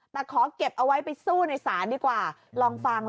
แต่ขอเก็บเอาไว้ไปสู้ในศาลดีกว่าลองฟัง